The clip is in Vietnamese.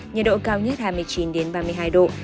nhiệt độ cao nhất hai mươi chín ba mươi hai độ